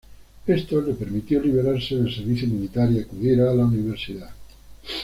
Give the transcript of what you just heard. Esto le permitió librarse del servicio militar, y acudir a la universidad.